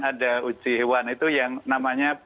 ada uji hewan itu yang namanya